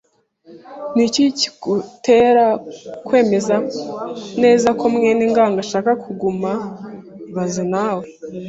Ni iki kigutera kwemeza neza ko mwene ngango ashaka kuguma ibaze nawe